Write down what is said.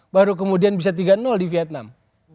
baru kemudian bisa tiga di vietnam